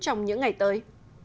trong những ngày tới